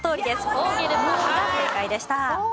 フォーゲルパークが正解でした。